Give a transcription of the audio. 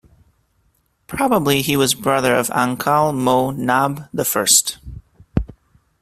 Probably he was brother of Ahkal Mo' Nahb I.